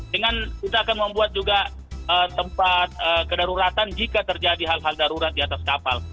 dengan kita akan membuat juga tempat kedaruratan jika terjadi hal hal darurat di atas kapal